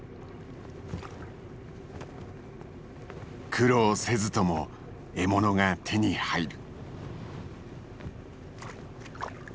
苦労せずとも獲物が手に入る。